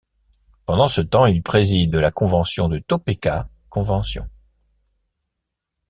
Pendant ce temps, il préside la convention de Topeka convention.